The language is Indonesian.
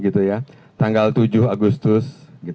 tanggal tujuh agustus